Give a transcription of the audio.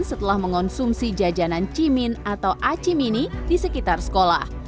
setelah mengonsumsi jajanan cimin atau acimini di sekitar sekolah